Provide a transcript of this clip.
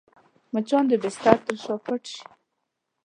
مچان د بستر تر شا پټ شي